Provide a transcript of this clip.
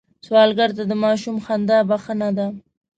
سوالګر ته د ماشوم خندا بښنه ده